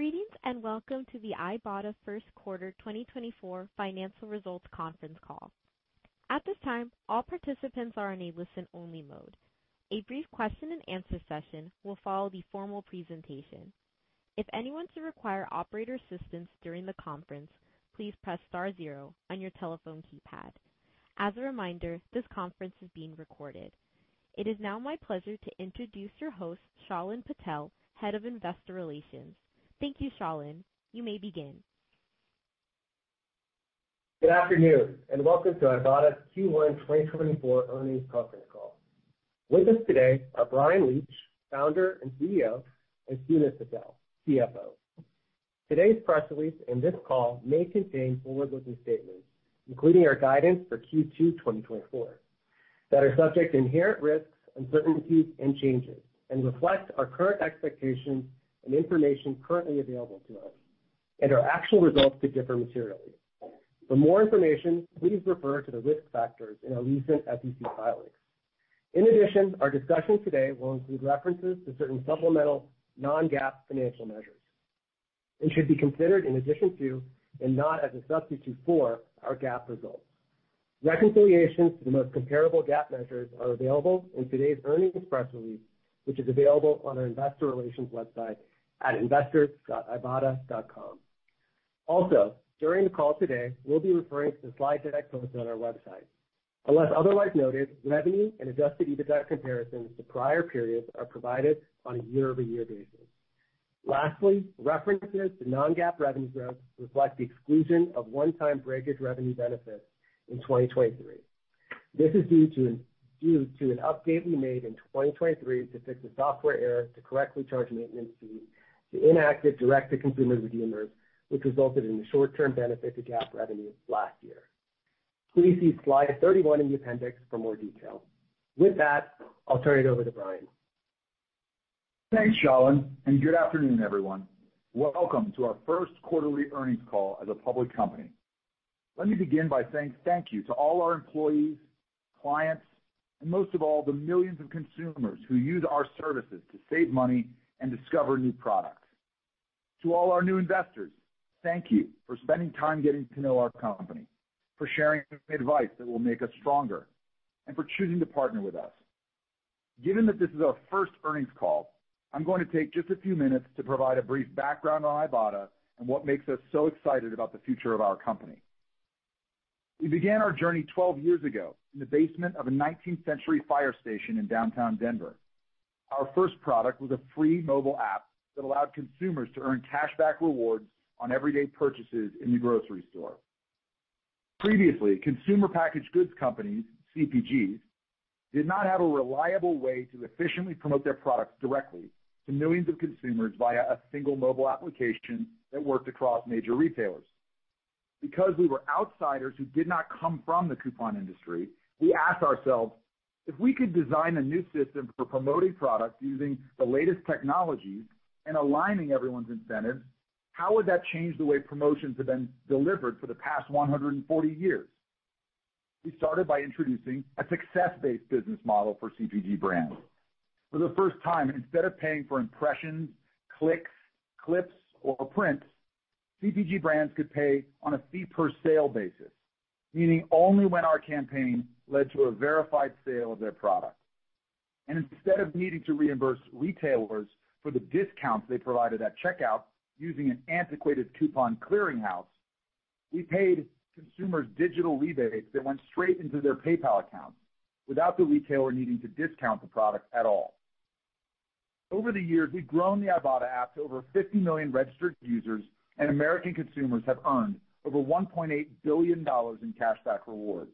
Greetings, and welcome to the Ibotta First Quarter 2024 Financial Results Conference Call. At this time, all participants are in a listen-only mode. A brief question-and-answer session will follow the formal presentation. If anyone should require operator assistance during the conference, please press star zero on your telephone keypad. As a reminder, this conference is being recorded. It is now my pleasure to introduce your host, Shalin Patel, Head of Investor Relations. Thank you, Shalin. You may begin. Good afternoon, and welcome to Ibotta's Q1 2024 Earnings Conference Call. With us today are Bryan Leach, Founder and CEO, and Sunit Patel, CFO. Today's press release and this call may contain forward-looking statements, including our guidance for Q2 2024, that are subject to inherent risks, uncertainties, and changes, and reflect our current expectations and information currently available to us, and our actual results could differ materially. For more information, please refer to the risk factors in our recent SEC filings. In addition, our discussion today will include references to certain supplemental non-GAAP financial measures and should be considered in addition to and not as a substitute for our GAAP results. Reconciliations to the most comparable GAAP measures are available in today's earnings press release, which is available on our investor relations website at investors.ibotta.com. Also, during the call today, we'll be referring to the slide deck posted on our website. Unless otherwise noted, revenue and adjusted EBITDA comparisons to prior periods are provided on a year-over-year basis. Lastly, references to non-GAAP revenue growth reflect the exclusion of one-time breakage revenue benefits in 2023. This is due to an update we made in 2023 to fix a software error to correctly charge maintenance fees to inactive direct-to-consumer redeemers, which resulted in a short-term benefit to GAAP revenue last year. Please see slide 31 in the appendix for more detail. With that, I'll turn it over to Bryan. Thanks, Shalin, and good afternoon, everyone. Welcome to our first quarterly earnings call as a public company. Let me begin by saying thank you to all our employees, clients, and most of all, the millions of consumers who use our services to save money and discover new products. To all our new investors, thank you for spending time getting to know our company, for sharing advice that will make us stronger, and for choosing to partner with us. Given that this is our first earnings call, I'm going to take just a few minutes to provide a brief background on Ibotta and what makes us so excited about the future of our company. We began our journey 12 years ago in the basement of a 19th-century fire station in downtown Denver. Our first product was a free mobile app that allowed consumers to earn cashback rewards on everyday purchases in the grocery store. Previously, consumer packaged goods companies, CPGs, did not have a reliable way to efficiently promote their products directly to millions of consumers via a single mobile application that worked across major retailers. Because we were outsiders who did not come from the coupon industry, we asked ourselves, if we could design a new system for promoting products using the latest technologies and aligning everyone's incentives, how would that change the way promotions have been delivered for the past 140 years? We started by introducing a success-based business model for CPG brands. For the first time, instead of paying for impressions, clicks, clips, or prints, CPG brands could pay on a fee per sale basis, meaning only when our campaign led to a verified sale of their product. Instead of needing to reimburse retailers for the discounts they provided at checkout using an antiquated coupon clearing house, we paid consumers digital rebates that went straight into their PayPal account without the retailer needing to discount the product at all. Over the years, we've grown the Ibotta app to over 50 million registered users, and American consumers have earned over $1.8 billion in cashback rewards.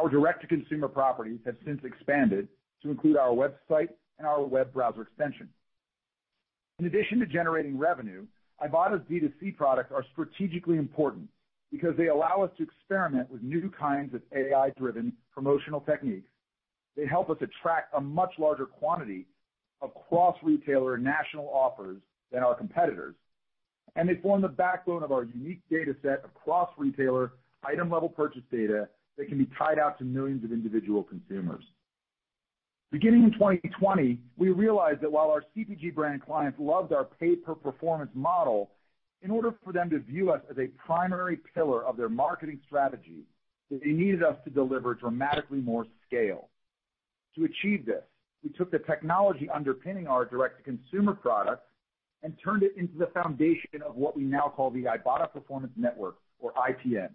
Our direct-to-consumer properties have since expanded to include our website and our web browser extension. In addition to generating revenue, Ibotta's D2C products are strategically important because they allow us to experiment with new kinds of AI-driven promotional techniques. They help us attract a much larger quantity of cross-retailer national offers than our competitors, and they form the backbone of our unique data set of cross-retailer, item-level purchase data that can be tied out to millions of individual consumers. Beginning in 2020, we realized that while our CPG brand clients loved our pay-per-performance model, in order for them to view us as a primary pillar of their marketing strategy, that they needed us to deliver dramatically more scale. To achieve this, we took the technology underpinning our direct-to-consumer product and turned it into the foundation of what we now call the Ibotta Performance Network, or IPN.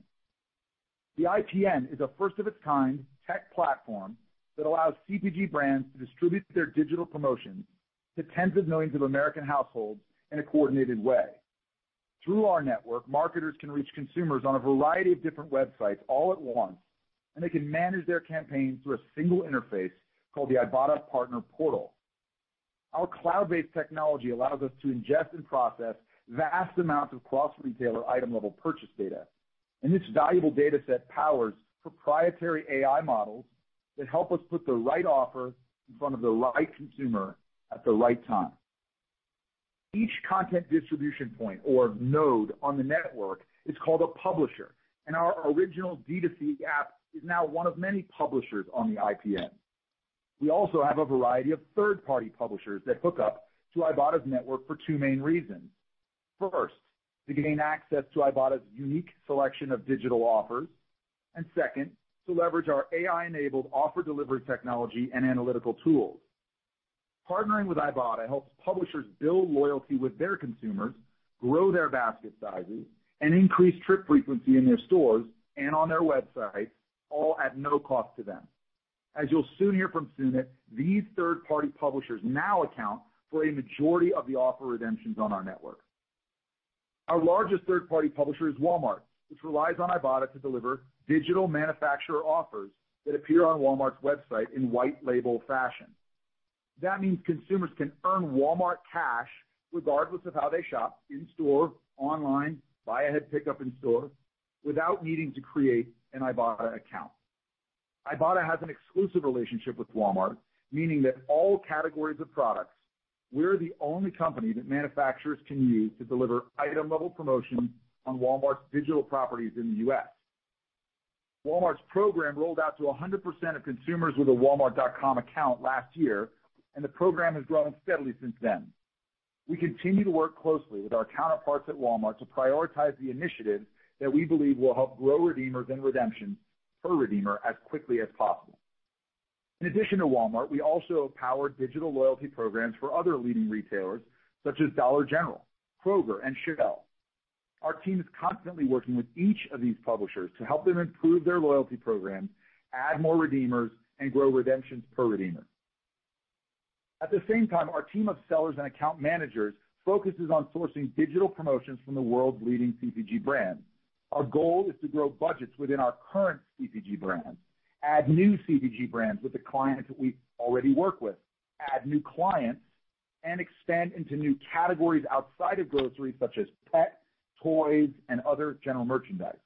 The IPN is a first-of-its-kind tech platform that allows CPG brands to distribute their digital promotions to tens of millions of American households in a coordinated way. Through our network, marketers can reach consumers on a variety of different websites all at once, and they can manage their campaigns through a single interface called the Ibotta Partner Portal. Our cloud-based technology allows us to ingest and process vast amounts of cross-retailer, item-level purchase data, and this valuable data set powers proprietary AI models that help us put the right offer in front of the right consumer at the right time. Each content distribution point, or node on the network, is called a publisher, and our original D2C app is now one of many publishers on the IPN. We also have a variety of third-party publishers that hook up to Ibotta's network for two main reasons. First, to gain access to Ibotta's unique selection of digital offers, and second, to leverage our AI-enabled offer delivery technology and analytical tools. Partnering with Ibotta helps publishers build loyalty with their consumers, grow their basket sizes, and increase trip frequency in their stores and on their websites, all at no cost to them. As you'll soon hear from Sunit, these third-party publishers now account for a majority of the offer redemptions on our network. Our largest third-party publisher is Walmart, which relies on Ibotta to deliver digital manufacturer offers that appear on Walmart's website in white label fashion. That means consumers can earn Walmart Cash regardless of how they shop, in store, online, buy-ahead-pickup in store, without needing to create an Ibotta account. Ibotta has an exclusive relationship with Walmart, meaning that all categories of products, we're the only company that manufacturers can use to deliver item-level promotion on Walmart's digital properties in the U.S. Walmart's program rolled out to 100% of consumers with a Walmart.com account last year, and the program has grown steadily since then. We continue to work closely with our counterparts at Walmart to prioritize the initiatives that we believe will help grow redeemers and redemptions per redeemer as quickly as possible. In addition to Walmart, we also have powered digital loyalty programs for other leading retailers, such as Dollar General, Kroger, and Shell. Our team is constantly working with each of these publishers to help them improve their loyalty programs, add more redeemers, and grow redemptions per redeemer. At the same time, our team of sellers and account managers focuses on sourcing digital promotions from the world's leading CPG brands. Our goal is to grow budgets within our current CPG brands, add new CPG brands with the clients that we already work with, add new clients, and expand into new categories outside of grocery, such as pet, toys, and other general merchandise.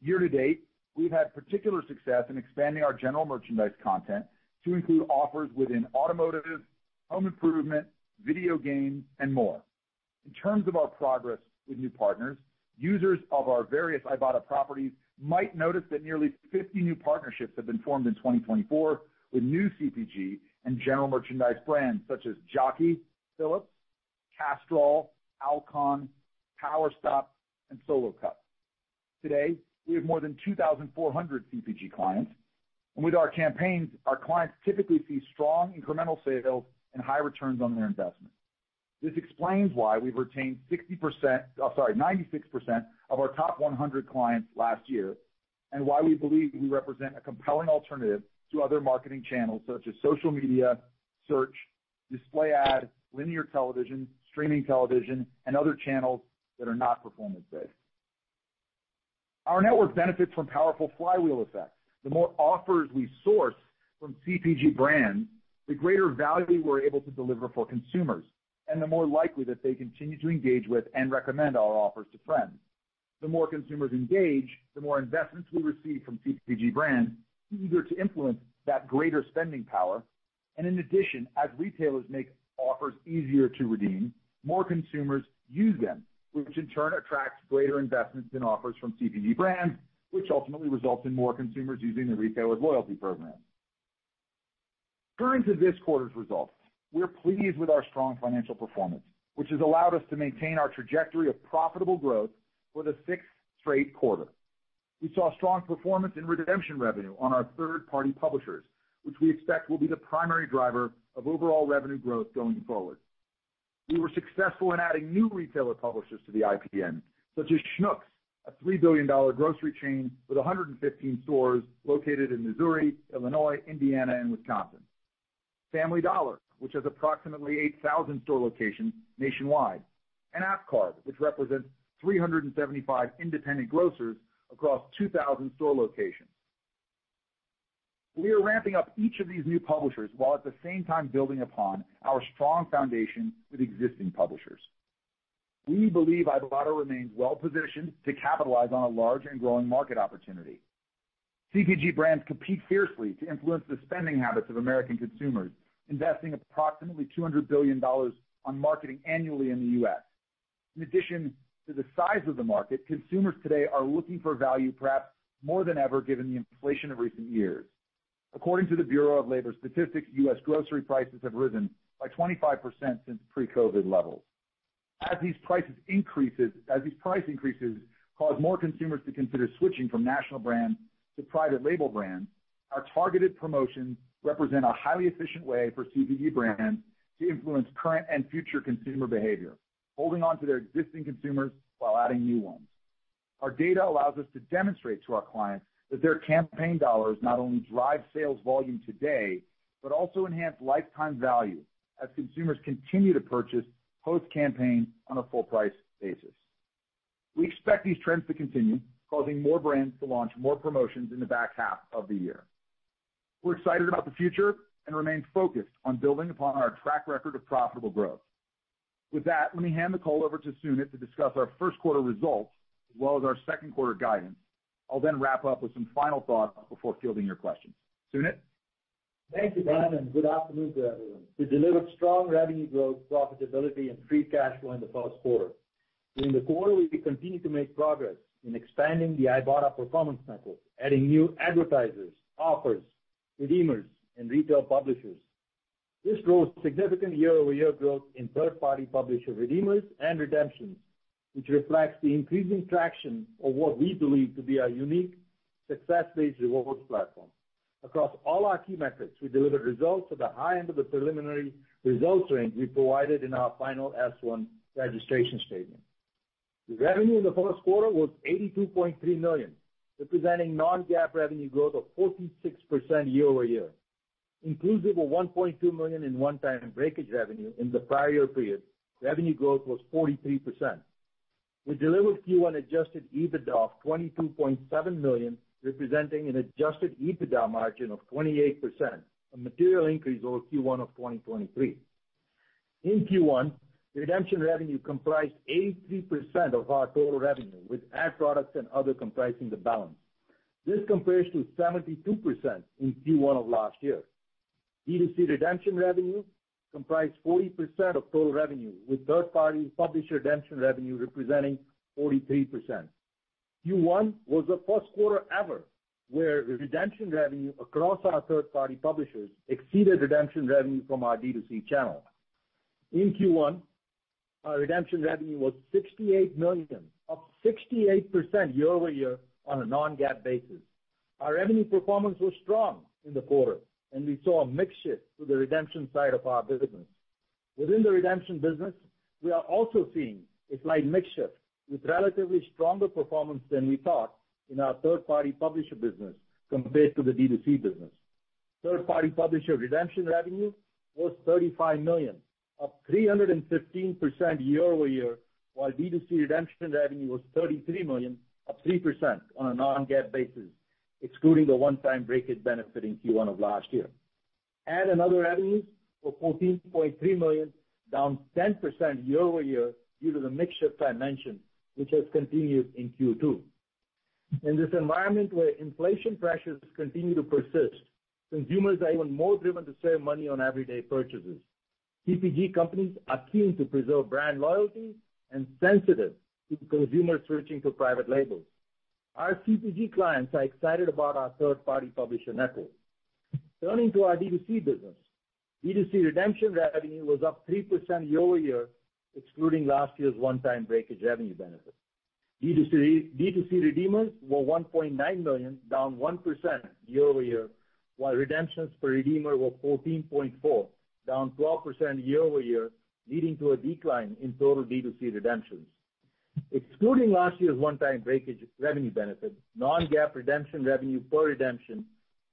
Year-to-date, we've had particular success in expanding our general merchandise content to include offers within automotive, home improvement, video games, and more. In terms of our progress with new partners, users of our various Ibotta properties might notice that nearly 50 new partnerships have been formed in 2024 with new CPG and general merchandise brands such as Jockey, Philips, Castrol, Alcon, PowerStop, and Solo Cup. Today, we have more than 2,400 CPG clients, and with our campaigns, our clients typically see strong incremental sales and high returns on their investment. This explains why we've retained 60%, I'm sorry, 96% of our top 100 clients last year, and why we believe we represent a compelling alternative to other marketing channels such as social media, search, display ad, linear television, streaming television, and other channels that are not performance-based. Our network benefits from powerful flywheel effects. The more offers we source from CPG brands, the greater value we're able to deliver for consumers and the more likely that they continue to engage with and recommend our offers to friends. The more consumers engage, the more investments we receive from CPG brands, easier to influence that greater spending power. And in addition, as retailers make offers easier to redeem, more consumers use them, which in turn attracts greater investments and offers from CPG brands, which ultimately results in more consumers using the retailer's loyalty program. Turning to this quarter's results, we're pleased with our strong financial performance, which has allowed us to maintain our trajectory of profitable growth for the sixth straight quarter. We saw strong performance in redemption revenue on our third-party publishers, which we expect will be the primary driver of overall revenue growth going forward. We were successful in adding new retailer publishers to the IPN, such as Schnucks, a $3 billion grocery chain with 115 stores located in Missouri, Illinois, Indiana, and Wisconsin. Family Dollar, which has approximately 8,000 store locations nationwide, and AppCard, which represents 375 independent grocers across 2,000 store locations. We are ramping up each of these new publishers while at the same time building upon our strong foundation with existing publishers. We believe Ibotta remains well positioned to capitalize on a large and growing market opportunity. CPG brands compete fiercely to influence the spending habits of American consumers, investing approximately $200 billion on marketing annually in the U.S. In addition to the size of the market, consumers today are looking for value, perhaps more than ever, given the inflation of recent years. According to the Bureau of Labor Statistics, U.S. grocery prices have risen by 25% since pre-COVID levels. As these price increases cause more consumers to consider switching from national brands to private label brands, our targeted promotions represent a highly efficient way for CPG brands to influence current and future consumer behavior, holding on to their existing consumers while adding new ones. Our data allows us to demonstrate to our clients that their campaign dollars not only drive sales volume today, but also enhance lifetime value as consumers continue to purchase post-campaign on a full price basis. We expect these trends to continue, causing more brands to launch more promotions in the back half of the year. We're excited about the future and remain focused on building upon our track record of profitable growth. With that, let me hand the call over to Sunit to discuss our first quarter results, as well as our second quarter guidance. I'll then wrap up with some final thoughts before fielding your questions. Sunit? Thank you, Bryan, and good afternoon to everyone. We delivered strong revenue growth, profitability, and free cash flow in the first quarter. During the quarter, we continued to make progress in expanding the Ibotta Performance Network, adding new advertisers, offers, redeemers, and retail publishers. This drove significant year-over-year growth in third-party publisher redeemers and redemptions, which reflects the increasing traction of what we believe to be our unique success-based rewards platform. Across all our key metrics, we delivered results at the high end of the preliminary results range we provided in our final S-1 registration statement. The revenue in the first quarter was $82.3 million, representing non-GAAP revenue growth of 46% year-over-year, inclusive of $1.2 million in one-time breakage revenue in the prior year period, revenue growth was 43%. We delivered Q1 adjusted EBITDA of $12.7 million, representing an adjusted EBITDA margin of 28%, a material increase over Q1 of 2023. In Q1, the redemption revenue comprised 83% of our total revenue, with ad products and other comprising the balance. This compares to 72% in Q1 of last year. D2C redemption revenue comprised 40% of total revenue, with third-party publisher redemption revenue representing 43%. Q1 was the first quarter ever where redemption revenue across our third-party publishers exceeded redemption revenue from our D2C channel. In Q1, our redemption revenue was $68 million, up 68% year-over-year on a non-GAAP basis. Our revenue performance was strong in the quarter, and we saw a mix shift to the redemption side of our business. Within the redemption business, we are also seeing a slight mix shift with relatively stronger performance than we thought in our third-party publisher business compared to the D2C business. Third-party publisher redemption revenue was $35 million, up 315% year-over-year, while D2C redemption revenue was $33 million, up 3% on a non-GAAP basis, excluding the one-time breakage benefit in Q1 of last year. Ad and other revenues were $14.3 million, down 10% year-over-year due to the mix shift I mentioned, which has continued in Q2. In this environment where inflation pressures continue to persist, consumers are even more driven to save money on everyday purchases. CPG companies are keen to preserve brand loyalty and sensitive to consumers switching to private labels. Our CPG clients are excited about our third-party publisher network. Turning to our D2C business. D2C redemption revenue was up 3% year-over-year, excluding last year's one-time breakage revenue benefit. D2C, D2C redeemers were 1.9 million, down 1% year-over-year, while redemptions per redeemer were 14.4, down 12% year-over-year, leading to a decline in total D2C redemptions. Excluding last year's one-time breakage revenue benefit, non-GAAP redemption revenue per redemption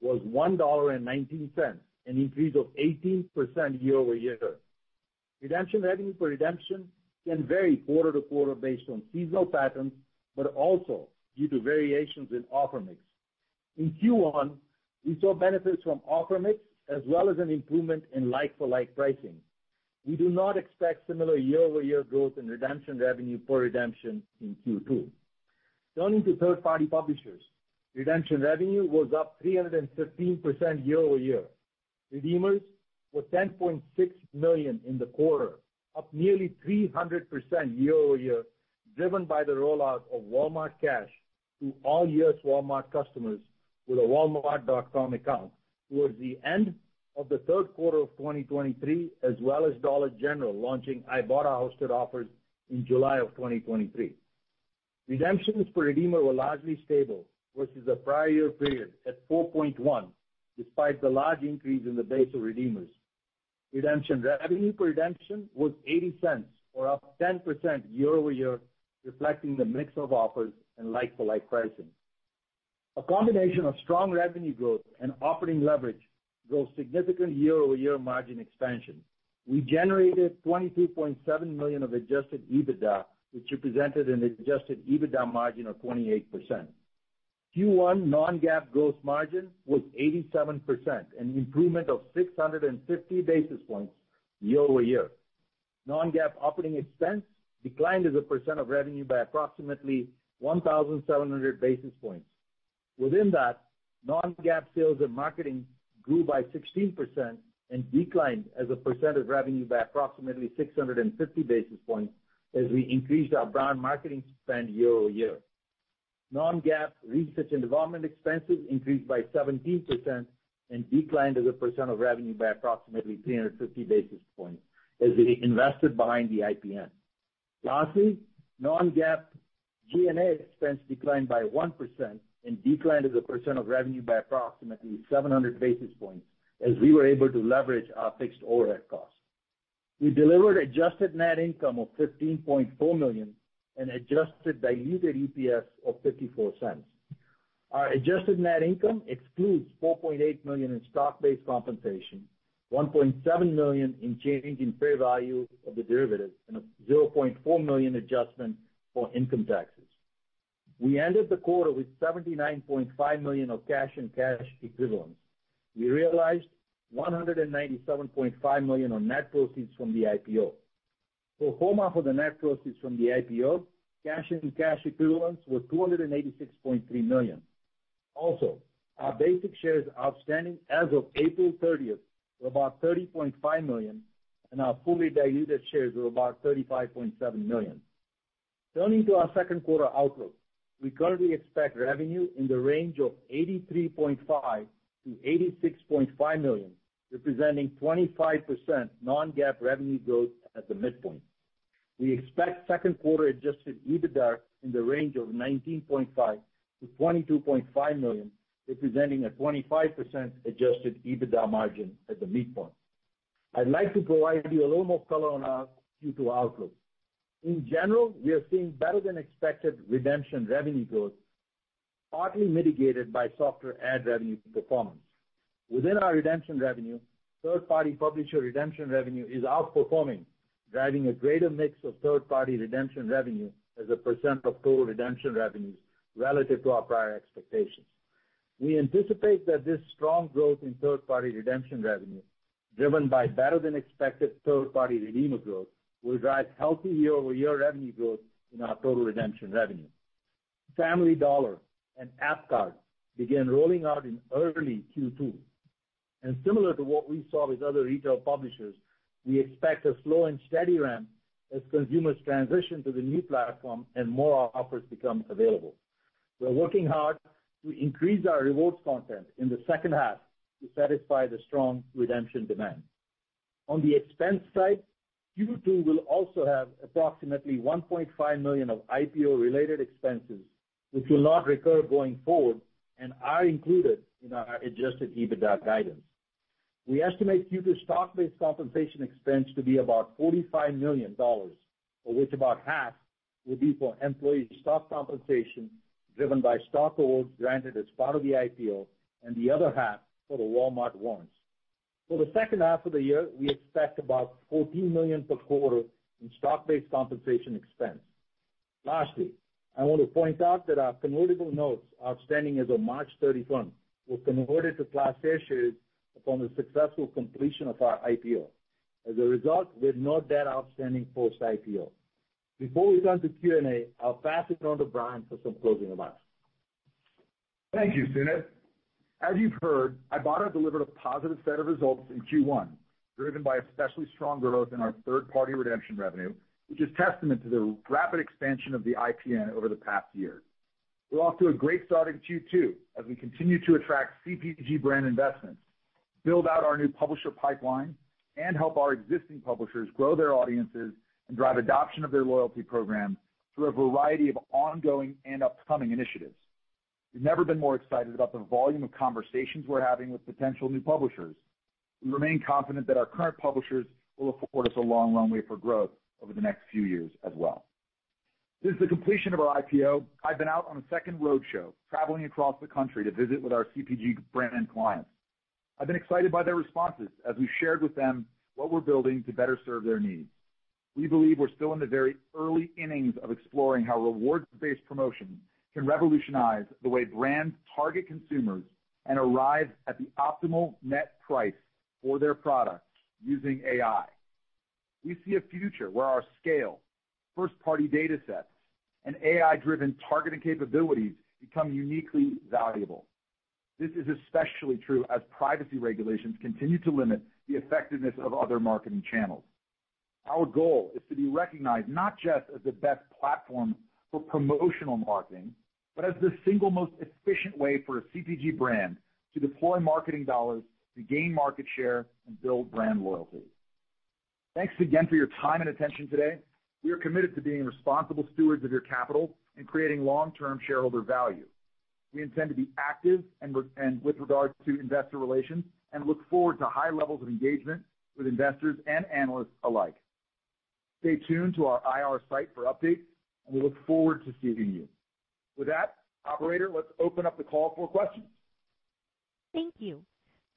was $1.19, an increase of 18% year-over-year. Redemption revenue per redemption can vary quarter to quarter based on seasonal patterns, but also due to variations in offer mix. In Q1, we saw benefits from offer mix as well as an improvement in like-for-like pricing. We do not expect similar year-over-year growth in redemption revenue per redemption in Q2. Turning to third-party publishers, redemption revenue was up 315% year-over-year. Redeemers were 10.6 million in the quarter, up nearly 300% year-over-year, driven by the rollout of Walmart Cash to all U.S. Walmart customers with a walmart.com account towards the end of the third quarter of 2023, as well as Dollar General launching Ibotta-hosted offers in July of 2023. Redemptions per redeemer were largely stable versus the prior year period at 4.1, despite the large increase in the base of redeemers. Redemption revenue per redemption was $0.80, or up 10% year-over-year, reflecting the mix of offers and like-for-like pricing. A combination of strong revenue growth and operating leverage drove significant year-over-year margin expansion. We generated $22.7 million of adjusted EBITDA, which represented an adjusted EBITDA margin of 28%. Q1 Non-GAAP gross margin was 87%, an improvement of 650 basis points year-over-year. Non-GAAP operating expense declined as a percent of revenue by approximately 1,700 basis points. Within that, non-GAAP sales and marketing grew by 16% and declined as a percent of revenue by approximately 650 basis points as we increased our brand marketing spend year-over-year. Non-GAAP research and development expenses increased by 17% and declined as a percent of revenue by approximately 350 basis points as we invested behind the IPN. Lastly, non-GAAP G&A expense declined by 1% and declined as a percent of revenue by approximately 700 basis points, as we were able to leverage our fixed overhead costs. We delivered adjusted net income of $15.4 million and adjusted diluted EPS of $0.54. Our adjusted net income excludes $4.8 million in stock-based compensation, $1.7 million in change in fair value of the derivatives, and a $0.4 million adjustment for income taxes. We ended the quarter with $79.5 million of cash and cash equivalents. We realized $197.5 million on net proceeds from the IPO. Pro forma for the net proceeds from the IPO, cash and cash equivalents were $286.3 million. Also, our basic shares outstanding as of April 30th were about 30.5 million, and our fully diluted shares were about 35.7 million. Turning to our second quarter outlook, we currently expect revenue in the range of $83.5 million-$86.5 million, representing 25% non-GAAP revenue growth at the midpoint. We expect second quarter adjusted EBITDA in the range of $19.5 million-$22.5 million, representing a 25% adjusted EBITDA margin at the midpoint. I'd like to provide you a little more color on our Q2 outlook. In general, we are seeing better than expected redemption revenue growth, partly mitigated by softer ad revenue performance. Within our redemption revenue, third-party publisher redemption revenue is outperforming, driving a greater mix of third-party redemption revenue as a percent of total redemption revenues relative to our prior expectations. We anticipate that this strong growth in third-party redemption revenue, driven by better than expected third-party redeemer growth, will drive healthy year-over-year revenue growth in our total redemption revenue. Family Dollar and AppCard began rolling out in early Q2, and similar to what we saw with other retail publishers, we expect a slow and steady ramp as consumers transition to the new platform and more offers become available. We're working hard to increase our rewards content in the second half to satisfy the strong redemption demand. On the expense side, Q2 will also have approximately $1.5 million of IPO-related expenses, which will not recur going forward and are included in our adjusted EBITDA guidance. We estimate Q2 stock-based compensation expense to be about $45 million, of which about half will be for employee stock compensation, driven by stock awards granted as part of the IPO, and the other half for the Walmart warrants. For the second half of the year, we expect about $14 million per quarter in stock-based compensation expense. Lastly, I want to point out that our convertible notes outstanding as of March 31st were converted to Class A shares upon the successful completion of our IPO. As a result, we have no debt outstanding post-IPO. Before we go on to Q&A, I'll pass it on to Brian for some closing remarks. Thank you, Sunit. As you've heard, Ibotta delivered a positive set of results in Q1, driven by especially strong growth in our third-party redemption revenue, which is testament to the rapid expansion of the IPN over the past year. We're off to a great start in Q2 as we continue to attract CPG brand investments, build out our new publisher pipeline, and help our existing publishers grow their audiences and drive adoption of their loyalty program through a variety of ongoing and upcoming initiatives. We've never been more excited about the volume of conversations we're having with potential new publishers. We remain confident that our current publishers will afford us a long runway for growth over the next few years as well. Since the completion of our IPO, I've been out on a second roadshow, traveling across the country to visit with our CPG brand and clients. I've been excited by their responses as we shared with them what we're building to better serve their needs. We believe we're still in the very early innings of exploring how rewards-based promotion can revolutionize the way brands target consumers and arrive at the optimal net price for their products using AI. We see a future where our scale, first-party data sets, and AI-driven targeting capabilities become uniquely valuable. This is especially true as privacy regulations continue to limit the effectiveness of other marketing channels. Our goal is to be recognized not just as the best platform for promotional marketing, but as the single most efficient way for a CPG brand to deploy marketing dollars to gain market share and build brand loyalty. Thanks again for your time and attention today. We are committed to being responsible stewards of your capital and creating long-term shareholder value. We intend to be active and with regard to investor relations and look forward to high levels of engagement with investors and analysts alike. Stay tuned to our IR site for updates, and we look forward to seeing you. With that, operator, let's open up the call for questions. Thank you.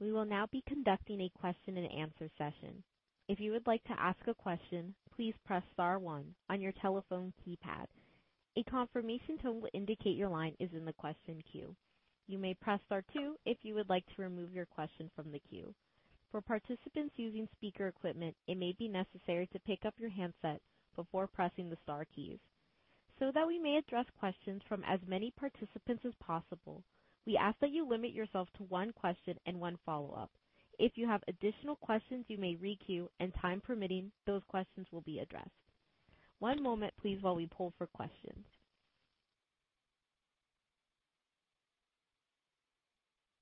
We will now be conducting a question-and-answer session. If you would like to ask a question, please press star one on your telephone keypad. A confirmation tone will indicate your line is in the question queue. You may press star two if you would like to remove your question from the queue. For participants using speaker equipment, it may be necessary to pick up your handset before pressing the star keys. So that we may address questions from as many participants as possible, we ask that you limit yourself to one question and one follow-up. If you have additional questions, you may re-queue, and time permitting, those questions will be addressed. One moment, please, while we poll for questions.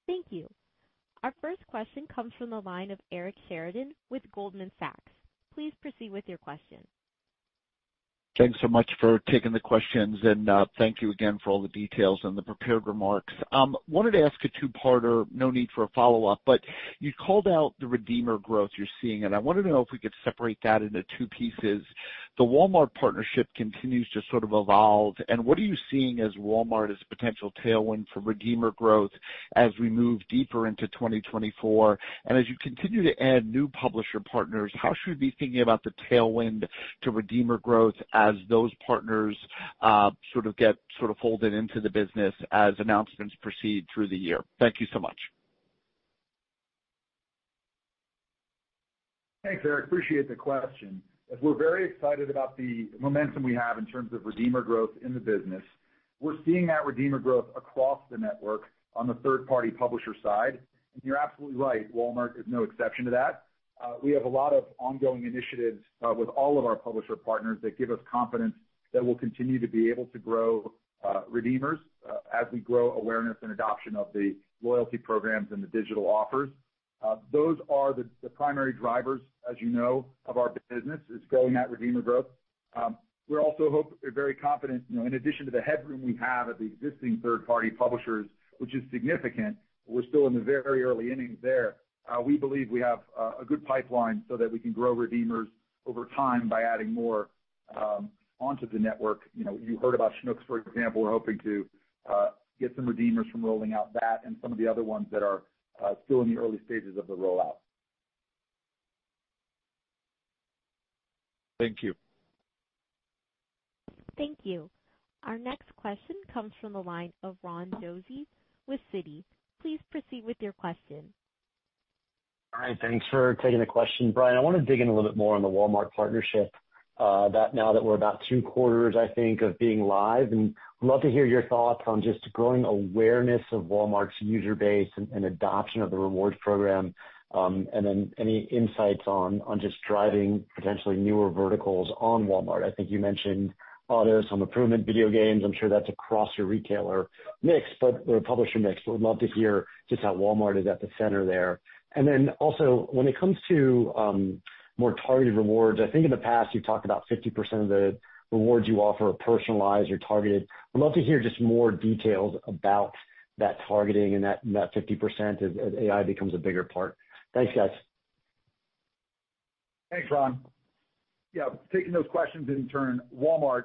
Thank you. Our first question comes from the line of Eric Sheridan with Goldman Sachs. Please proceed with your question. Thanks so much for taking the questions, and thank you again for all the details and the prepared remarks. Wanted to ask a two-parter. No need for a follow-up, but you called out the redeemer growth you're seeing, and I wanted to know if we could separate that into two pieces. The Walmart partnership continues to sort of evolve, and what are you seeing as Walmart as a potential tailwind for redeemer growth as we move deeper into 2024? And as you continue to add new publisher partners, how should we be thinking about the tailwind to redeemer growth as those partners sort of get sort of folded into the business as announcements proceed through the year? Thank you so much. Thanks, Eric. Appreciate the question. As we're very excited about the momentum we have in terms of redeemer growth in the business, we're seeing that redeemer growth across the network on the third-party publisher side. And you're absolutely right, Walmart is no exception to that. We have a lot of ongoing initiatives with all of our publisher partners that give us confidence that we'll continue to be able to grow redeemers as we grow awareness and adoption of the loyalty programs and the digital offers. Those are the primary drivers, as you know, of our business, is growing that redeemer growth. We're also very confident, you know, in addition to the headroom we have at the existing third-party publishers, which is significant, we're still in the very early innings there. We believe we have a good pipeline so that we can grow redeemers over time by adding more onto the network. You know, you heard about Schnucks, for example. We're hoping to get some redeemers from rolling out that and some of the other ones that are still in the early stages of the rollout. Thank you. Thank you. Our next question comes from the line of Ron Josey with Citi. Please proceed with your question. All right, thanks for taking the question. Bryan, I want to dig in a little bit more on the Walmart partnership, that now that we're about two quarters, I think, of being live, and I'd love to hear your thoughts on just growing awareness of Walmart's user base and adoption of the rewards program. And then any insights on just driving potentially newer verticals on Walmart? I think you mentioned autos, home improvement, video games. I'm sure that's across your retailer mix, but or publisher mix, but would love to hear just how Walmart is at the center there. And then also, when it comes to more targeted rewards, I think in the past, you've talked about 50% of the rewards you offer are personalized or targeted. I'd love to hear just more details about that targeting and that 50% as AI becomes a bigger part. Thanks, guys. Thanks, Ron. Yeah, taking those questions in turn, Walmart,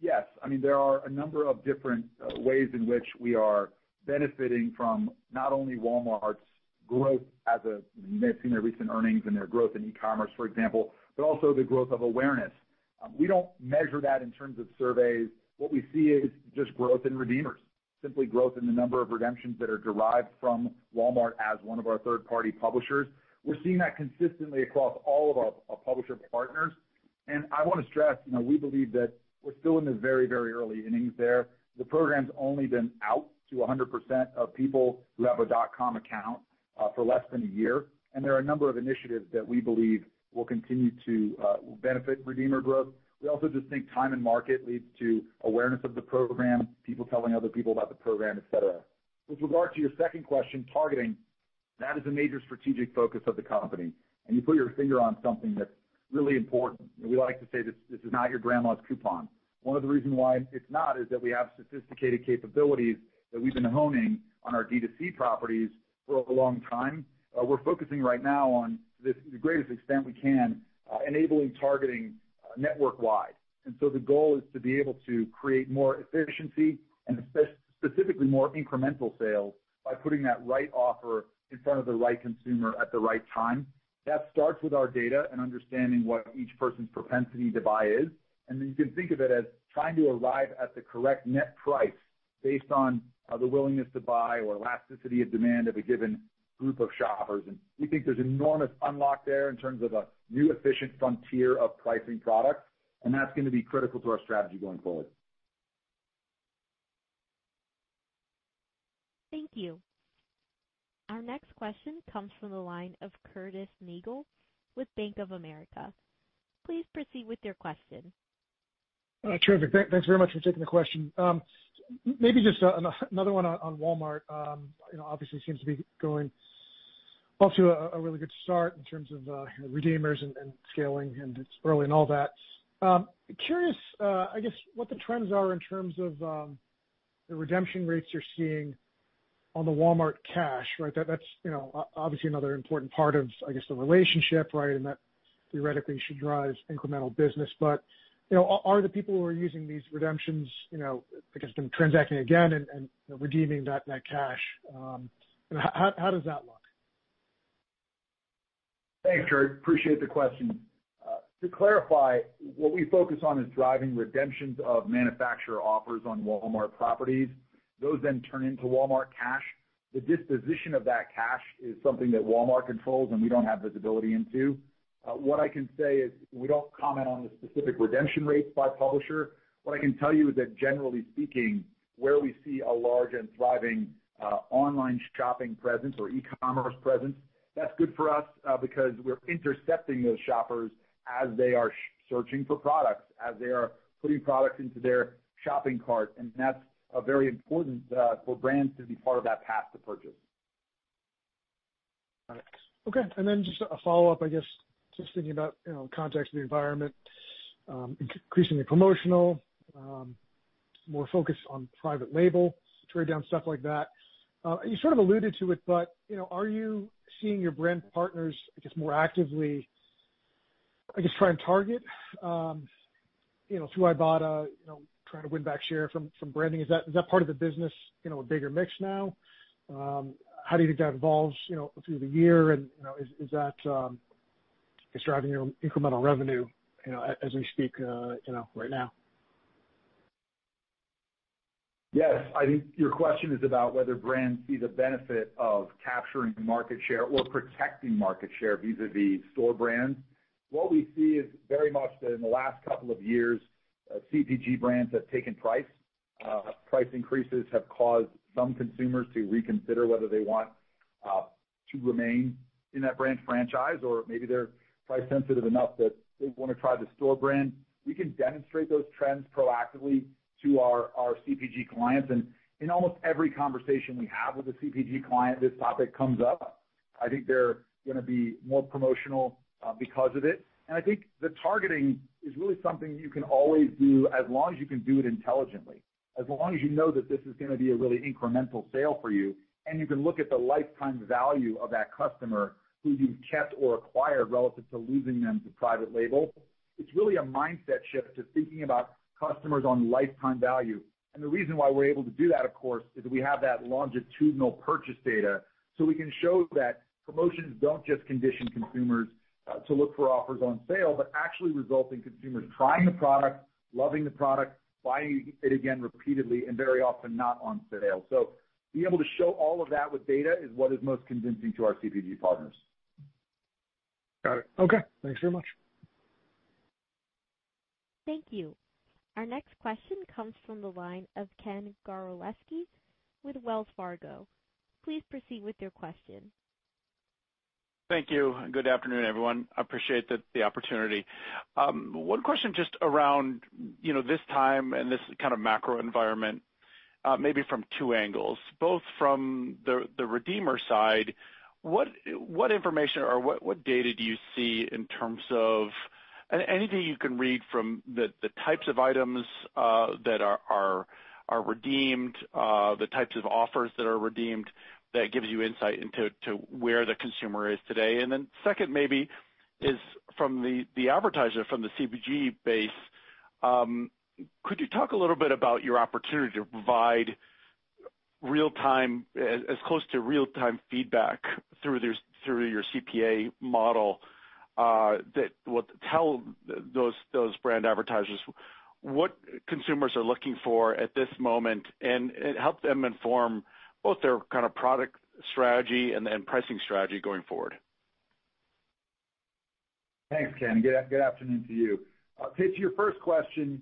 yes, I mean, there are a number of different ways in which we are benefiting from not only Walmart's growth as you may have seen their recent earnings and their growth in e-commerce, for example, but also the growth of awareness. We don't measure that in terms of surveys. What we see is just growth in redeemers, simply growth in the number of redemptions that are derived from Walmart as one of our third-party publishers. We're seeing that consistently across all of our publisher partners. And I want to stress, you know, we believe that we're still in the very, very early innings there. The program's only been out to 100% of people who have a .com account for less than a year, and there are a number of initiatives that we believe will continue to benefit redeemer growth. We also just think time and market leads to awareness of the program, people telling other people about the program, et cetera. With regard to your second question, targeting, that is a major strategic focus of the company, and you put your finger on something that's really important. We like to say this, this is not your grandma's coupon. One of the reasons why it's not is that we have sophisticated capabilities that we've been honing on our D2C properties for a long time. We're focusing right now on this, the greatest extent we can, enabling targeting network-wide. And so the goal is to be able to create more efficiency and specifically more incremental sales by putting that right offer in front of the right consumer at the right time. That starts with our data and understanding what each person's propensity to buy is. And then you can think of it as trying to arrive at the correct net price based on the willingness to buy or elasticity of demand of a given group of shoppers. And we think there's enormous unlock there in terms of a new efficient frontier of pricing products, and that's going to be critical to our strategy going forward. Thank you. Our next question comes from the line of Curtis Nagle with Bank of America. Please proceed with your question. Terrific. Thanks very much for taking the question. Maybe just another one on Walmart. You know, obviously seems to be going off to a really good start in terms of redeemers and scaling, and it's early and all that. Curious, I guess, what the trends are in terms of the redemption rates you're seeing on the Walmart Cash, right? That's, you know, obviously another important part of, I guess, the relationship, right? And that theoretically should drive incremental business. But, you know, are the people who are using these redemptions, you know, I guess, then transacting again and redeeming that cash, how does that look? Thanks, Curtis. Appreciate the question. To clarify, what we focus on is driving redemptions of manufacturer offers on Walmart properties. Those then turn into Walmart Cash. The disposition of that cash is something that Walmart controls and we don't have visibility into. What I can say is we don't comment on the specific redemption rates by publisher. What I can tell you is that generally speaking, where we see a large and thriving online shopping presence or e-commerce presence, that's good for us, because we're intercepting those shoppers as they are searching for products, as they are putting products into their shopping cart, and that's very important for brands to be part of that path to purchase. Got it. Okay, and then just a follow-up, I guess, just thinking about, you know, context of the environment, increasing the promotional, more focus on private label, trade down, stuff like that. You sort of alluded to it, but, you know, are you seeing your brand partners, I guess, more actively, I guess, try and target, you know, through Ibotta, you know, trying to win back share from, from branding? Is that, is that part of the business, you know, a bigger mix now? How do you think that evolves, you know, through the year? And, you know, is, is that, it's driving your incremental revenue, you know, as we speak, you know, right now? Yes, I think your question is about whether brands see the benefit of capturing market share or protecting market share vis-a-vis store brands. What we see is very much that in the last couple of years, CPG brands have taken price. Price increases have caused some consumers to reconsider whether they want to remain in that brand franchise, or maybe they're price sensitive enough that they want to try the store brand. We can demonstrate those trends proactively to our CPG clients, and in almost every conversation we have with a CPG client, this topic comes up. I think they're gonna be more promotional because of it. And I think the targeting is really something you can always do as long as you can do it intelligently, as long as you know that this is gonna be a really incremental sale for you, and you can look at the lifetime value of that customer who you've kept or acquired relative to losing them to private label. It's really a mindset shift to thinking about customers on lifetime value. And the reason why we're able to do that, of course, is we have that longitudinal purchase data, so we can show that promotions don't just condition consumers to look for offers on sale, but actually result in consumers trying the product, loving the product, buying it again repeatedly and very often not on sale. So being able to show all of that with data is what is most convincing to our CPG partners. Got it. Okay, thanks very much. Thank you. Our next question comes from the line of Ken Gawrelski with Wells Fargo. Please proceed with your question. Thank you. Good afternoon, everyone. I appreciate the opportunity. One question just around, you know, this time and this kind of macro environment, maybe from two angles, both from the redeemer side, what information or what data do you see in terms of. Anything you can read from the types of items that are redeemed, the types of offers that are redeemed, that gives you insight into where the consumer is today? And then second, maybe from the advertiser, from the CPG base, could you talk a little bit about your opportunity to provide real-time, as close to real-time feedback through this, through your CPA model, that will tell those brand advertisers what consumers are looking for at this moment, and help them inform both their kind of product strategy and pricing strategy going forward? Thanks, Ken. Good afternoon to you. To your first question,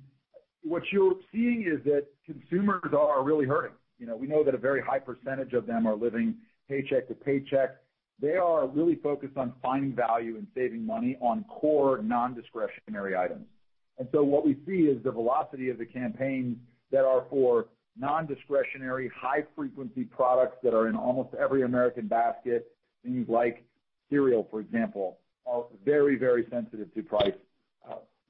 what you're seeing is that consumers are really hurting. You know, we know that a very high percentage of them are living paycheck to paycheck. They are really focused on finding value and saving money on core, non-discretionary items. And so what we see is the velocity of the campaigns that are for non-discretionary, high frequency products that are in almost every American basket, things like cereal, for example, are very, very sensitive to price.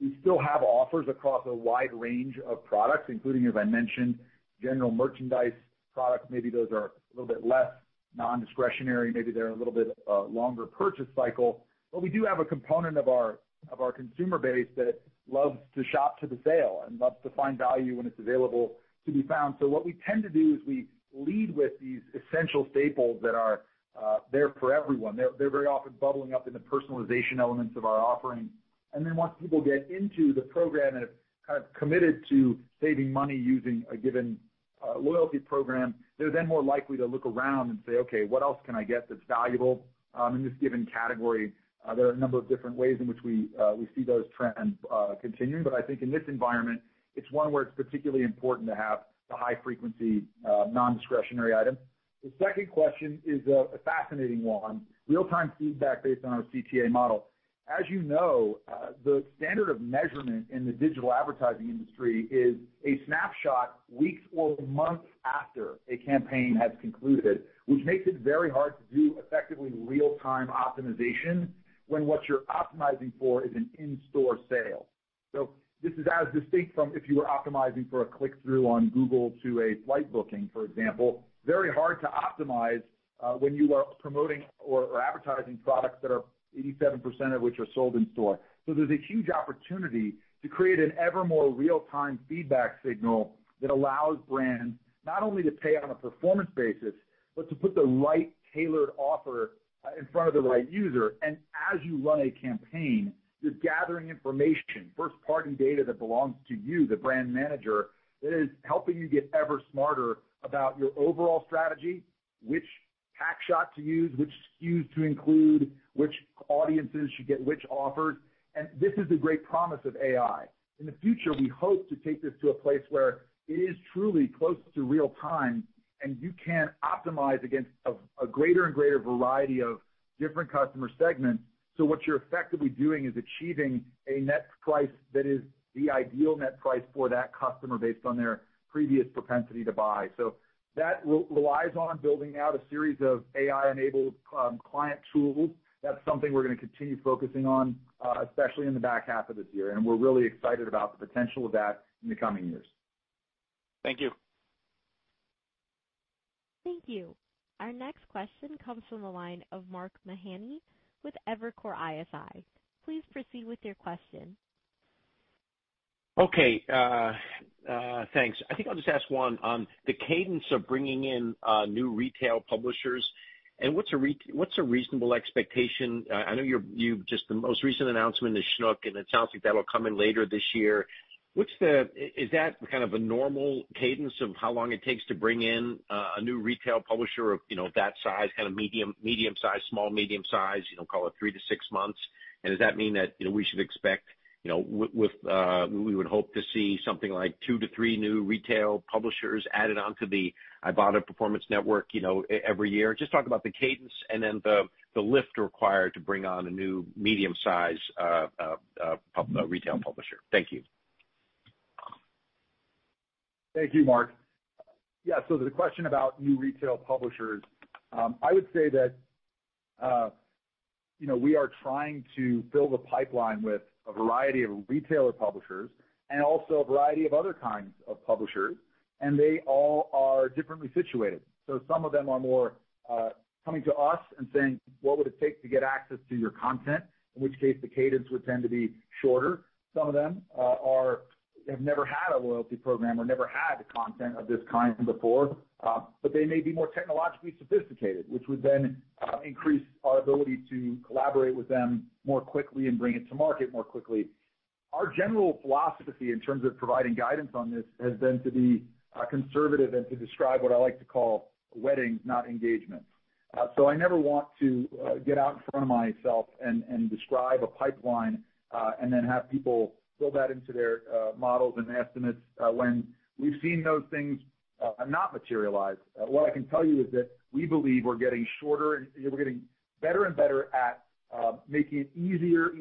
We still have offers across a wide range of products, including, as I mentioned, general merchandise products. Maybe those are a little bit less non-discretionary, maybe they're a little bit longer purchase cycle. But we do have a component of our consumer base that loves to shop to the sale and loves to find value when it's available to be found. So what we tend to do is we lead with these essential staples that are there for everyone. They're very often bubbling up in the personalization elements of our offering. And then once people get into the program and have kind of committed to saving money using a given loyalty program, they're then more likely to look around and say: Okay, what else can I get that's valuable in this given category? There are a number of different ways in which we see those trends continuing, but I think in this environment, it's one where it's particularly important to have the high frequency non-discretionary item. The second question is a fascinating one. Real-time feedback based on our CTA model. As you know, the standard of measurement in the digital advertising industry is a snapshot, weeks or months after a campaign has concluded, which makes it very hard to do effectively real-time optimization when what you're optimizing for is an in-store sale. So this is as distinct from if you were optimizing for a click-through on Google to a flight booking, for example. Very hard to optimize when you are promoting or advertising products that are 87% of which are sold in store. So there's a huge opportunity to create an ever more real-time feedback signal that allows brands not only to pay on a performance basis, but to put the right tailored offer in front of the right user. As you run a campaign, you're gathering information, first-party data that belongs to you, the brand manager, that is helping you get ever smarter about your overall strategy, which pack shot to use, which SKUs to include, which audiences should get which offers. This is the great promise of AI. In the future, we hope to take this to a place where it is truly close to real time, and you can optimize against a greater and greater variety of different customer segments. What you're effectively doing is achieving a net price that is the ideal net price for that customer based on their previous propensity to buy. That relies on building out a series of AI-enabled client tools. That's something we're gonna continue focusing on, especially in the back half of this year, and we're really excited about the potential of that in the coming years. Thank you. Thank you. Our next question comes from the line of Mark Mahaney with Evercore ISI. Please proceed with your question. Okay, thanks. I think I'll just ask one. The cadence of bringing in new retail publishers and what's a reasonable expectation? I know you've just the most recent announcement is Schnucks, and it sounds like that will come in later this year. What's the, is that kind of a normal cadence of how long it takes to bring in a new retail publisher of, you know, that size, kind of medium, small-medium size, you know, call it three to six months? And does that mean that, you know, we should expect, you know, with, we would hope to see something like two to three new retail publishers added onto the Ibotta Performance Network, you know, every year? Just talk about the cadence and then the lift required to bring on a new medium-size retail publisher. Thank you. Thank you, Mark. Yeah, so the question about new retail publishers, I would say that, you know, we are trying to build a pipeline with a variety of retailer publishers and also a variety of other kinds of publishers, and they all are differently situated. So some of them are more coming to us and saying, "What would it take to get access to your content?" In which case, the cadence would tend to be shorter. Some of them have never had a loyalty program or never had content of this kind before, but they may be more technologically sophisticated, which would then increase our ability to collaborate with them more quickly and bring it to market more quickly. Our general philosophy in terms of providing guidance on this has been to be conservative and to describe what I like to call weddings, not engagements. So I never want to get out in front of myself and describe a pipeline and then have people build that into their models and estimates when we've seen those things not materialize. What I can tell you is that we believe we're getting shorter. We're getting better and better at making it easier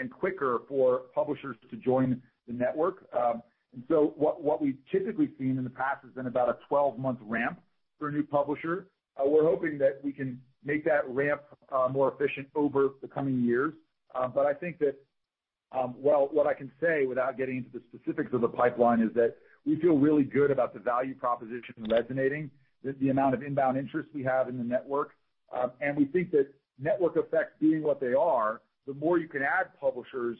and quicker for publishers to join the network. And so what we've typically seen in the past has been about a 12-month ramp for a new publisher. We're hoping that we can make that ramp more efficient over the coming years. But I think that, well, what I can say, without getting into the specifics of the pipeline, is that we feel really good about the value proposition resonating, the amount of inbound interest we have in the network. And we think that network effects, being what they are, the more you can add publishers,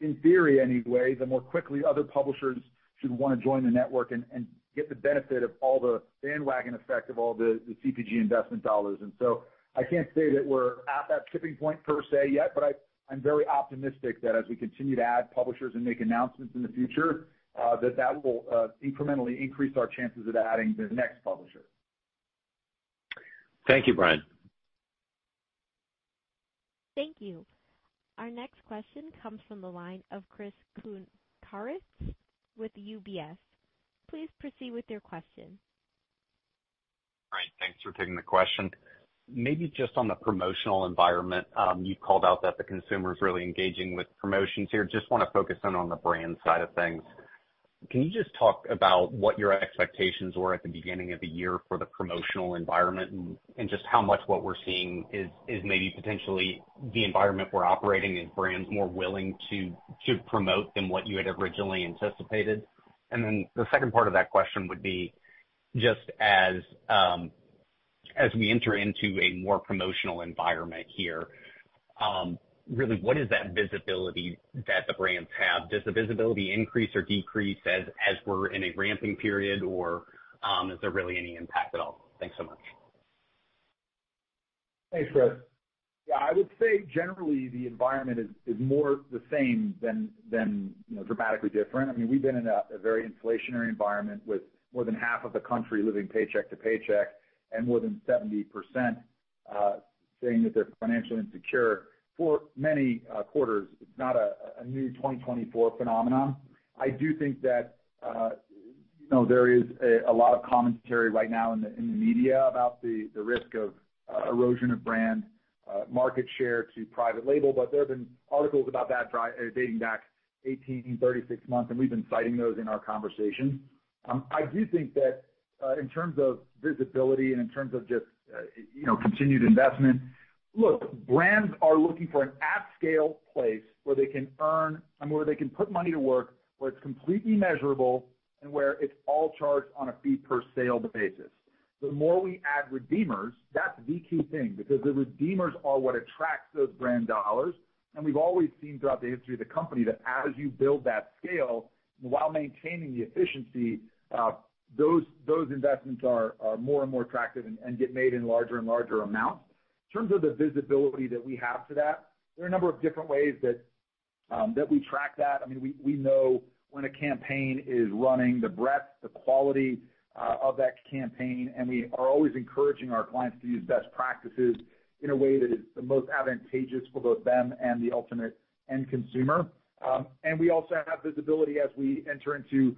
in theory anyway, the more quickly other publishers should want to join the network and get the benefit of all the bandwagon effect of all the CPG investment dollars. And so I can't say that we're at that tipping point per se yet, but I'm very optimistic that as we continue to add publishers and make announcements in the future, that that will incrementally increase our chances of adding the next publisher. Thank you, Bryan. Thank you. Our next question comes from the line of Chris Kuntarich with UBS. Please proceed with your question. Great, thanks for taking the question. Maybe just on the promotional environment, you called out that the consumer is really engaging with promotions here. Just want to focus in on the brand side of things. Can you just talk about what your expectations were at the beginning of the year for the promotional environment and just how much what we're seeing is maybe potentially the environment we're operating and brands more willing to promote than what you had originally anticipated? And then the second part of that question would be, just as we enter into a more promotional environment here, really, what is that visibility that the brands have? Does the visibility increase or decrease as we're in a ramping period, or is there really any impact at all? Thanks so much. Thanks, Chris. Yeah, I would say generally, the environment is more the same than, you know, dramatically different. I mean, we've been in a very inflationary environment with more than 1/2 of the country living paycheck to paycheck and more than 70%, saying that they're financially insecure for many quarters. It's not a new 2024 phenomenon. I do think that, you know, there is a lot of commentary right now in the media about the risk of erosion of brand market share to private label, but there have been articles about that predating back 18-36 months, and we've been citing those in our conversations. I do think that, in terms of visibility and in terms of just, you know, continued investment, look, brands are looking for an at-scale place where they can earn and where they can put money to work, where it's completely measurable and where it's all charged on a fee per sale basis. The more we add redeemers, that's the key thing, because the redeemers are what attracts those brand dollars. And we've always seen throughout the history of the company that as you build that scale, while maintaining the efficiency, those, those investments are, are more and more attractive and, and get made in larger and larger amounts. In terms of the visibility that we have to that, there are a number of different ways that, that we track that. I mean, we know when a campaign is running, the breadth, the quality of that campaign, and we are always encouraging our clients to use best practices in a way that is the most advantageous for both them and the ultimate end consumer. And we also have visibility as we enter into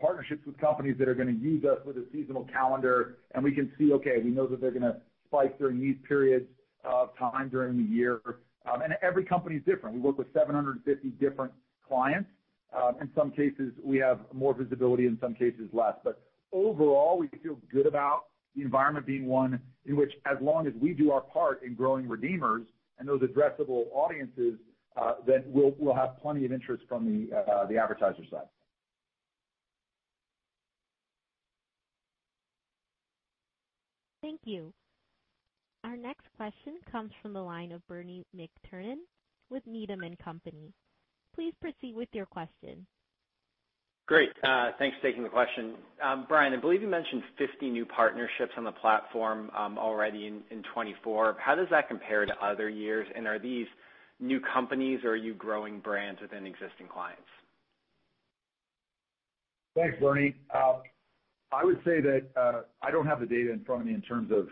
partnerships with companies that are gonna use us with a seasonal calendar, and we can see, okay, we know that they're gonna spike during these periods of time during the year. And every company is different. We work with 750 different clients. In some cases, we have more visibility, in some cases, less. But overall, we feel good about the environment being one in which, as long as we do our part in growing redeemers and those addressable audiences, then we'll have plenty of interest from the advertiser side. Thank you. Our next question comes from the line of Bernie McTernan with Needham & Company. Please proceed with your question. Great. Thanks for taking the question. Bryan, I believe you mentioned 50 new partnerships on the platform, already in 2024. How does that compare to other years? And are these new companies, or are you growing brands within existing clients? Thanks, Bernie. I would say that I don't have the data in front of me in terms of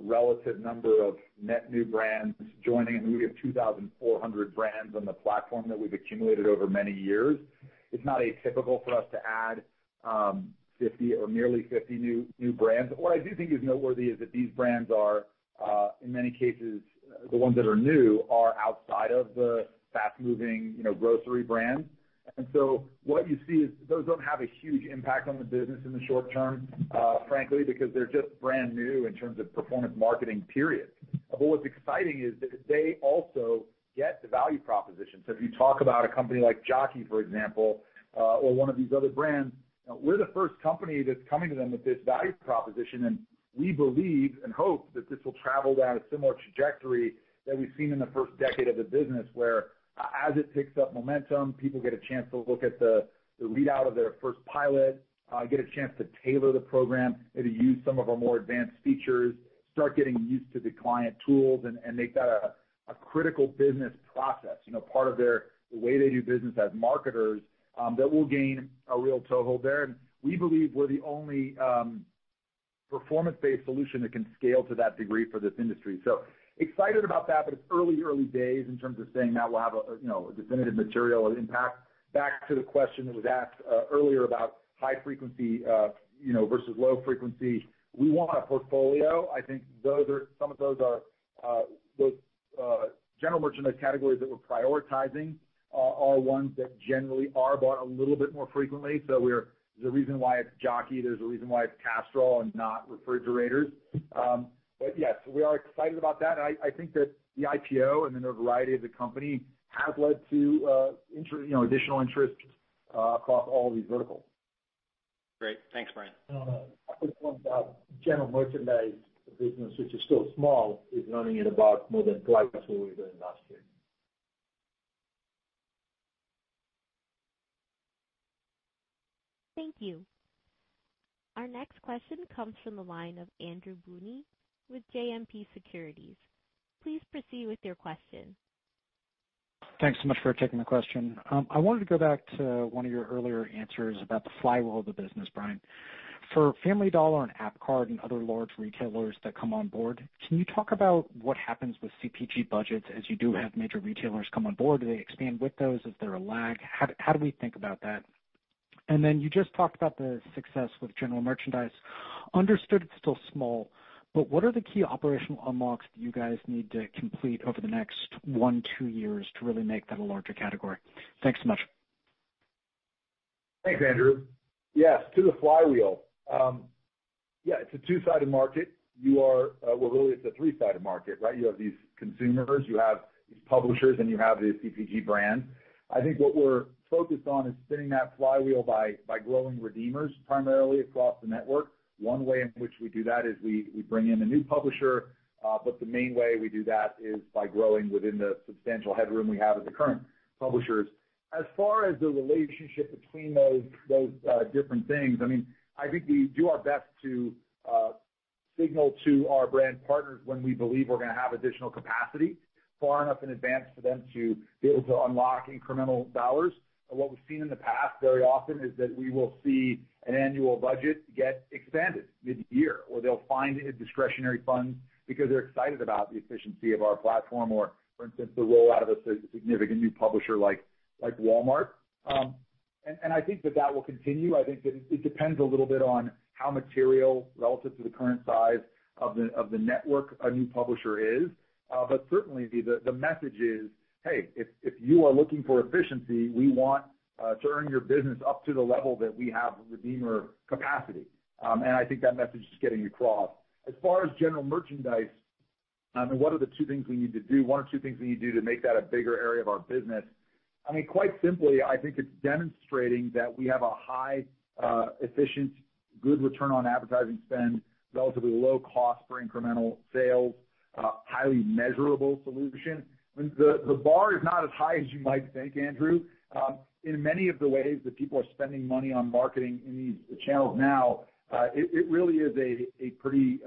relative number of net new brands joining, and we have 2,400 brands on the platform that we've accumulated over many years. It's not atypical for us to add 50 or nearly 50 new, new brands. What I do think is noteworthy is that these brands are, in many cases, the ones that are new, are outside of the fast-moving, you know, grocery brands. And so what you see is those don't have a huge impact on the business in the short term, frankly, because they're just brand new in terms of performance marketing, period. But what's exciting is that they also get the value proposition. So if you talk about a company like Jockey, for example, or one of these other brands, we're the first company that's coming to them with this value proposition, and we believe and hope that this will travel down a similar trajectory that we've seen in the first decade of the business, where, as it picks up momentum, people get a chance to look at the, the readout of their first pilot, get a chance to tailor the program, maybe use some of our more advanced features, start getting used to the client tools, and, and make that a, a critical business process, you know, part of their, the way they do business as marketers, that will gain a real toehold there. And we believe we're the only, performance-based solution that can scale to that degree for this industry. So excited about that, but it's early, early days in terms of saying that we'll have a, you know, a definitive material impact. Back to the question that was asked earlier about high frequency, you know, versus low frequency. We want a portfolio. I think those are some of those are, those general merchandise categories that we're prioritizing are ones that generally are bought a little bit more frequently. So we're, there's a reason why it's Jockey, there's a reason why it's Castrol and not refrigerators. But yes, we are excited about that. I think that the IPO and the variety of the company have led to interest, you know, additional interest across all these verticals. Great. Thanks, Bryan. No, no. I just want general merchandise business, which is still small, is running at about more than twice what we did last year. Thank you. Our next question comes from the line of Andrew Boone with JMP Securities. Please proceed with your question. Thanks so much for taking the question. I wanted to go back to one of your earlier answers about the flywheel of the business, Bryan. For Family Dollar and AppCard and other large retailers that come on board, can you talk about what happens with CPG budgets, as you do have major retailers come on board? Do they expand with those? Is there a lag? How do we think about that? And then you just talked about the success with general merchandise. Understood it's still small, but what are the key operational unlocks that you guys need to complete over the next one to two years to really make that a larger category? Thanks so much. Thanks, Andrew. Yes, to the flywheel. Yeah, it's a two-sided market. You are, well, really, it's a three-sided market, right? You have these consumers, you have these publishers, and you have the CPG brands. I think what we're focused on is spinning that flywheel by growing redeemers, primarily across the network. One way in which we do that is we bring in a new publisher, but the main way we do that is by growing within the substantial headroom we have with the current publishers. As far as the relationship between those different things, I mean, I think we do our best to signal to our brand partners when we believe we're gonna have additional capacity far enough in advance for them to be able to unlock incremental dollars. And what we've seen in the past very often is that we will see an annual budget get expanded mid-year, or they'll find a discretionary fund because they're excited about the efficiency of our platform, or for instance, the rollout of a significant new publisher like Walmart. And I think that that will continue. I think that it depends a little bit on how material relative to the current size of the network a new publisher is. But certainly, the message is, "Hey, if you are looking for efficiency, we want to earn your business up to the level that we have redeemer capacity." And I think that message is getting across. As far as general merchandise, I mean, what are the two things we need to do? One or two things we need to do to make that a bigger area of our business. I mean, quite simply, I think it's demonstrating that we have a high, efficient, good return on advertising spend, relatively low cost for incremental sales, highly measurable solution. I mean, the, the bar is not as high as you might think, Andrew. In many of the ways that people are spending money on marketing in these channels now, it, it really is a, a pretty,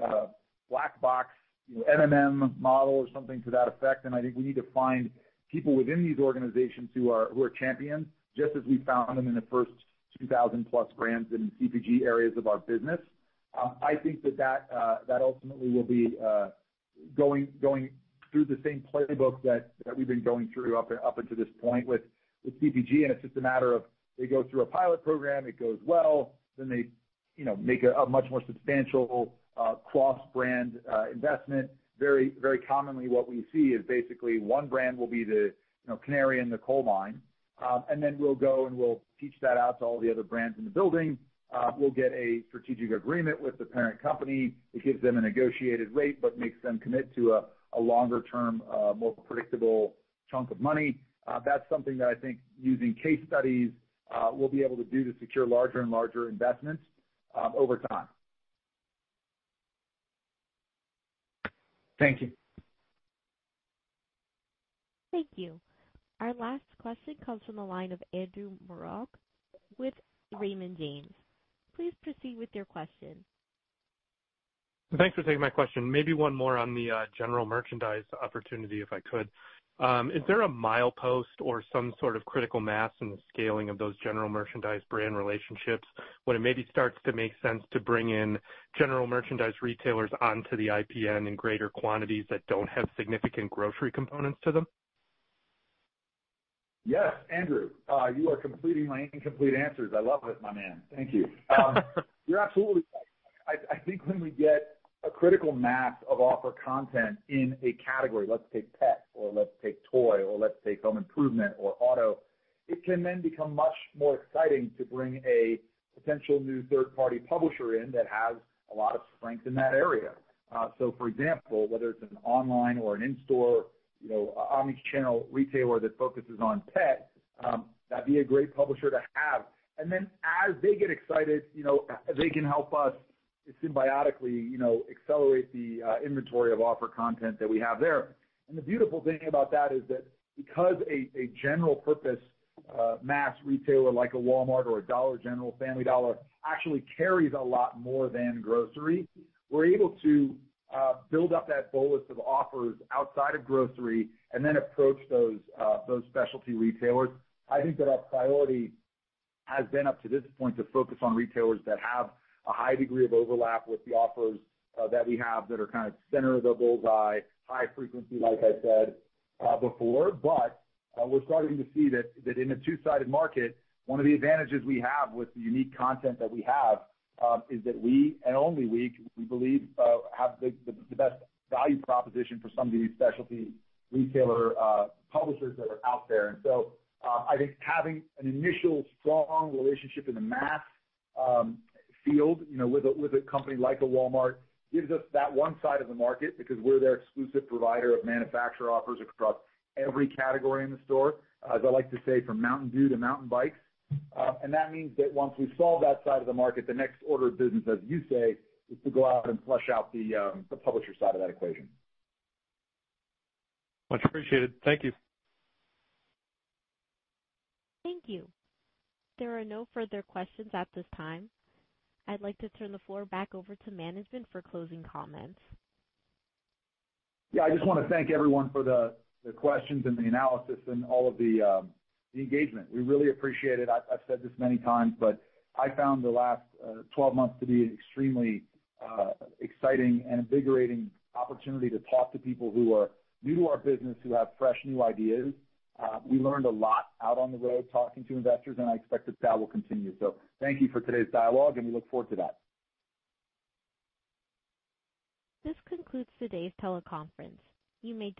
black box, you know, MMM model or something to that effect. And I think we need to find people within these organizations who are, who are champions, just as we found them in the first 2,000+ brands in CPG areas of our business. I think that ultimately will be going through the same playbook that we've been going through up until this point with CPG, and it's just a matter of they go through a pilot program, it goes well, then they, you know, make a much more substantial cross-brand investment. Very commonly what we see is basically one brand will be the, you know, canary in the coal mine, and then we'll go and we'll teach that out to all the other brands in the building. We'll get a strategic agreement with the parent company. It gives them a negotiated rate, but makes them commit to a longer term, more predictable chunk of money. That's something that I think using case studies, we'll be able to do to secure larger and larger investments, over time. Thank you. Thank you. Our last question comes from the line of Andrew Marok with Raymond James. Please proceed with your question. Thanks for taking my question. Maybe one more on the general merchandise opportunity, if I could. Is there a milepost or some sort of critical mass in the scaling of those general merchandise brand relationships, when it maybe starts to make sense to bring in general merchandise retailers onto the IPN in greater quantities that don't have significant grocery components to them? Yes, Andrew, you are completing my incomplete answers. I love it, my man. Thank you. You're absolutely right. I think when we get a critical mass of offer content in a category, let's take pet or let's take toy or let's take home improvement or auto, it can then become much more exciting to bring a potential new third-party publisher in that has a lot of strength in that area. So for example, whether it's an online or an in-store, you know, omni-channel retailer that focuses on pet, that'd be a great publisher to have. And then, as they get excited, you know, they can help us symbiotically, you know, accelerate the inventory of offer content that we have there. The beautiful thing about that is that because a general purpose mass retailer, like a Walmart or a Dollar General, Family Dollar, actually carries a lot more than grocery, we're able to build up that bolus of offers outside of grocery and then approach those specialty retailers. I think that our priority has been, up to this point, to focus on retailers that have a high degree of overlap with the offers that we have that are kind of center of the bull's eye, high frequency, like I said, before. But, we're starting to see that in a two-sided market, one of the advantages we have with the unique content that we have is that we, and only we believe, have the best value proposition for some of these specialty retailer publishers that are out there. And so, I think having an initial strong relationship in the mass field, you know, with a company like Walmart gives us that one side of the market because we're their exclusive provider of manufacturer offers across every category in the store, as I like to say, from Mountain Dew to mountain bikes. And that means that once we solve that side of the market, the next order of business, as you say, is to go out and flush out the publisher side of that equation. Much appreciated. Thank you. Thank you. There are no further questions at this time. I'd like to turn the floor back over to management for closing comments. Yeah, I just want to thank everyone for the questions and the analysis and all of the engagement. We really appreciate it. I've said this many times, but I found the last 12 months to be extremely exciting and invigorating opportunity to talk to people who are new to our business, who have fresh, new ideas. We learned a lot out on the road talking to investors, and I expect that that will continue. So thank you for today's dialogue, and we look forward to that. This concludes today's teleconference. You may disconnect.